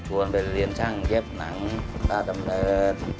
ชวนไปเรียนช่างเย็บหนังราชดำเนิน